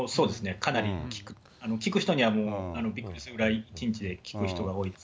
かなり、効く人にはびっくりするぐらい１日で効く人が多いです。